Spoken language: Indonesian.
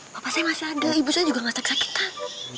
bapak saya masih ada ibu saya juga gak sakit sakitan